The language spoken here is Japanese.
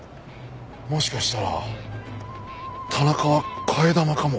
もしかしたら田中は替え玉かも。